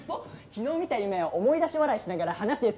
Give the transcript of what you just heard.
昨日見た夢を思い出し笑いしながら話す奴。